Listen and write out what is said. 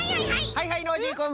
はいはいノージーくん。